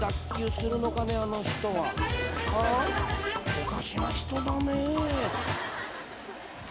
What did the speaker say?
［おかしな人だね］